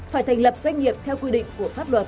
phải thành lập doanh nghiệp theo quy định của pháp luật